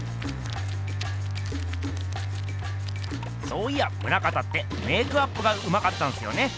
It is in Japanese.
そういや棟方ってメークアップがうまかったんすよね。